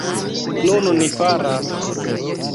Nun, ni faras!